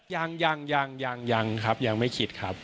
ยังยังครับยังไม่คิดครับ